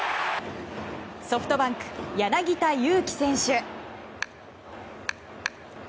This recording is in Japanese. ソフトバンク、柳田悠岐選手。